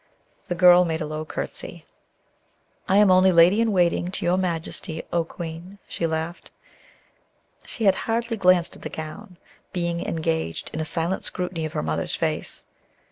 The girl made a low courtesy. "I am only lady in waiting to your Majesty, O Queen," she laughed. She had hardly glanced at the gown, being engaged in a silent scrutiny of her mother's face.